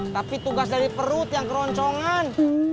tapi tugas dari perut yang keroncongan